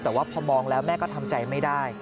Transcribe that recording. แต่ว่าพอมองแล้วแม่ก็ทำใจไม่ได้